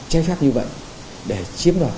chế phép như vậy để chiếm đoạt